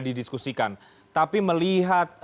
didiskusikan tapi melihat